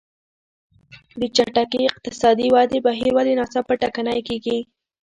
د چټکې اقتصادي ودې بهیر ولې ناڅاپه ټکنی کېږي.